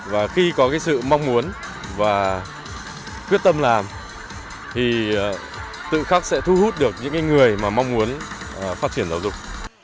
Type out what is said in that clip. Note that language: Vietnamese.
và khi có sự mong muốn và quyết tâm làm thì tự khắc sẽ thu hút được những người mà mong muốn phát triển giáo dục